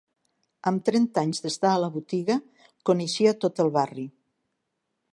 Amb trenta anys d'estar a la botiga, coneixia tot el barri.